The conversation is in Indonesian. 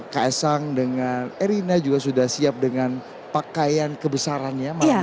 kaisang dengan erina juga sudah siap dengan pakaian kebesaran ya malam hari ini